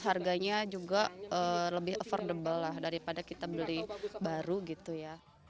harganya juga lebih affordable lah daripada kita beli baru gitu ya